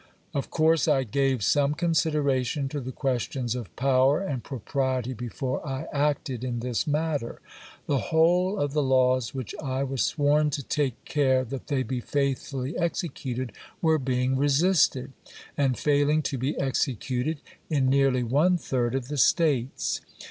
Of course I gave some consideration to the ques tions of power and propriety before I acted in this mat ter. The whole of the laws which I was sworn to take care that they be faithfully executed were being resisted, and faihng to be executed, in nearly one third of the REBELLIOUS MARYLAND 177 States.